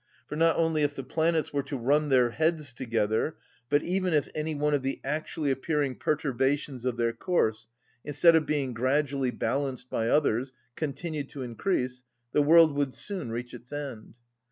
For not only if the planets were to run their heads together, but even if any one of the actually appearing perturbations of their course, instead of being gradually balanced by others, continued to increase, the world would soon reach its end.